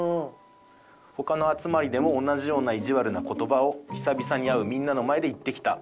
他の集まりでも同じようないじわるな言葉を久々に会うみんなの前で言ってきた。